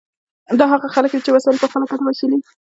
دا هغه خلک دي چې وسایل یې په خپله ګټه ویشلي.